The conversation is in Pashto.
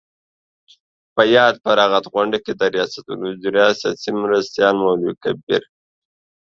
په یاده فراغت غونډه کې د ریاست الوزراء سیاسي مرستیال مولوي عبدالکبیر